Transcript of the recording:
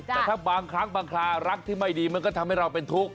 แต่ถ้าบางครั้งบางครารักที่ไม่ดีมันก็ทำให้เราเป็นทุกข์